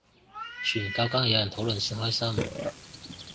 傳教梗係有人討論先開心